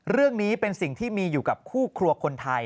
เรื่องนี้เป็นสิ่งที่มีอยู่กับคู่ครัวคนไทย